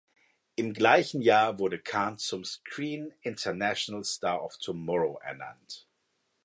Im gleichen Jahr wurde Khan zum Screen International Star of Tomorrow ernannt.